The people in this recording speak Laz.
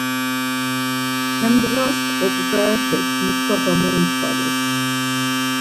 Hem ndğas oput̆arepek Mustava mointvales.